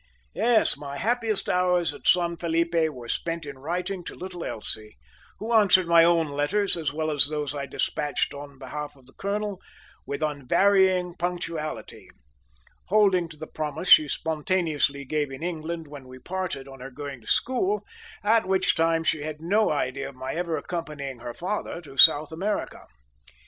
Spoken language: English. Yes, my happiest hours at San Felipe were spent in writing to little Elsie, who answered my own letters, as well as those I despatched on behalf of the colonel, with unvarying punctuality, holding to the promise she spontaneously gave in England when we parted on her going to school, at which time she had no idea of my ever accompanying her father to South America.